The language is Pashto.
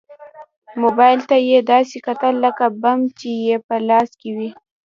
موبايل ته يې داسې کتل لکه بم چې يې په لاس کې وي.